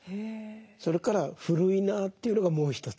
それから古いなというのがもう一つ。